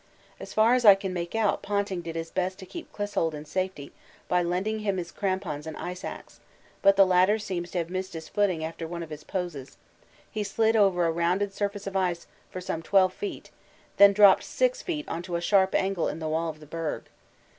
As far as I can make out Ponting did his best to keep Clissold in safety by lending him his crampons and ice axe, but the latter seems to have missed his footing after one of his 'poses'; he slid over a rounded surface of ice for some 12 feet, then dropped 6 feet on to a sharp angle in the wall of the berg.